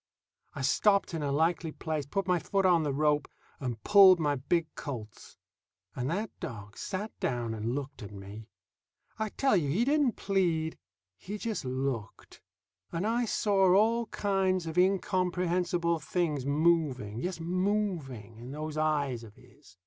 I stopped in a likely place, put my foot on the rope, and pulled my big Colt's. And that dog sat down and looked at me. I tell you he didn't plead. He just looked. And I saw all kinds of incomprehensible things moving, yes, moving, in those eyes of his.